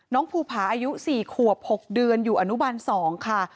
ภูผาอายุ๔ขวบ๖เดือนอยู่อนุบัน๒ค่ะ